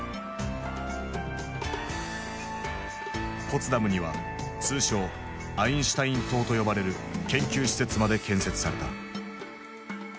ポツダムには通称「アインシュタイン塔」と呼ばれる研究施設まで建設された。